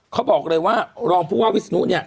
เขาบอกเลยว่ารองภูมิวิสนุนี่